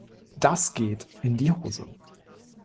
Das geht in die Hose.